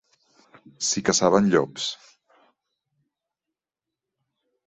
S'hi caçaven llops.